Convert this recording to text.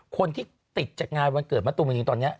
คนที่ติดจากงานวันเกิดมะตูมณีตอนนี้